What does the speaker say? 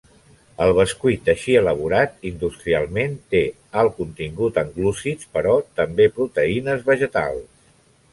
El bescuit, així elaborat industrialment, té alt contingut en glúcids però també proteïnes vegetals.